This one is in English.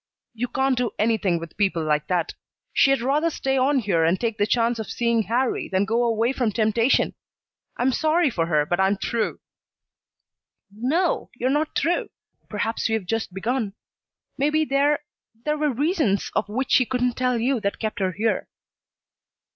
"You can't do anything with people like that. She'd rather stay on here and take the chance of seeing Harrie than go away from temptation. I'm sorry for her, but I'm through." "No, you're not through. Perhaps we've just begun. Maybe there there were reasons of which she couldn't tell you that kept her here."